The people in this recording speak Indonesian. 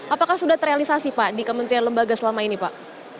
apakah sudah terrealisasi pak di kementerian lembaga selama ini pak